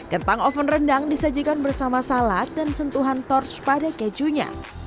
kentang oven rendang disajikan bersama salad dan sentuhan torch pada kejunya